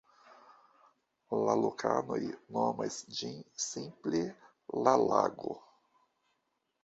La lokanoj nomas ĝin simple "la lago".